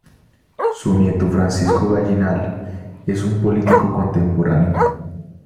Su nieto Francisco Gallinal es un político contemporáneo.